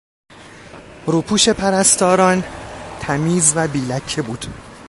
روپوش پرستاران تمیز و بیلکه بود.